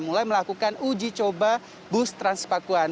mulai melakukan uji coba bus transpakuan